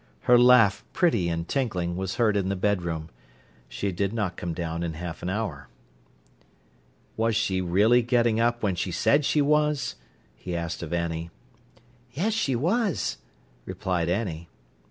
Her laugh, pretty and tinkling, was heard in the bedroom. She did not come down in half an hour. "Was she really getting up when she said she was?" he asked of Annie. "Yes, she was," replied Annie.